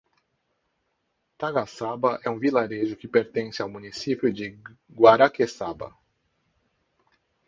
Tagaçaba é um vilarejo que pertence ao município de Guaraqueçaba.